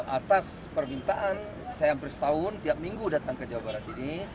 atas permintaan saya hampir setahun tiap minggu datang ke jawa barat ini